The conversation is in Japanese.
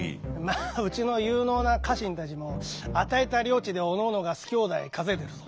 まあうちの有能な家臣たちも与えた領地でおのおのが好き放題稼いでるぞ。